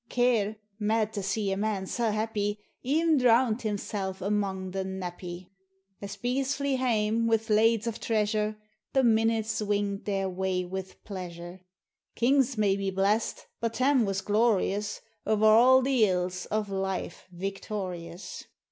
Care, mad to see a man sae happy, E'en drowned himself amang the nappy ; As bees flee hame wi' lades o' treasure, The minutes winged their way wi' pleasure ; Kings may be blest, but, Tarn was glorious, O'er a' the ills o' life victorious.